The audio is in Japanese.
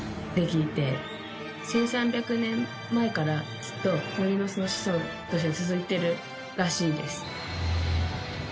１３００年前からずっと鬼の子孫として続いてるらしいです。